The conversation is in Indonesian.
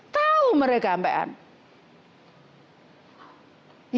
tahu mereka sampai apa